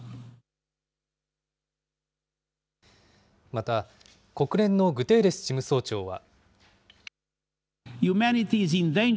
また、国連のグテーレス事務総長は。